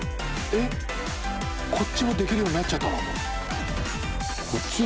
┐こっちもできるようになっちゃったの？